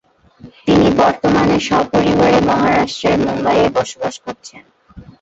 তিনি বর্তমানে স্বপরিবারে মহারাষ্ট্রের মুম্বাইয়ে বসবাস করছেন।